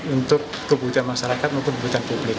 untuk kebutuhan masyarakat maupun kebutuhan publik